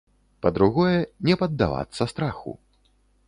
Па-другое, не паддавацца страху.